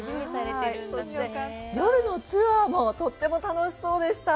そして、夜のツアーもとっても楽しそうでした。